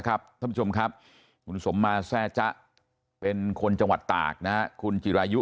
ท่านผู้ชมครับคุณสมมาแซ่จ๊ะเป็นคนจังหวัดตากคุณจิรายุ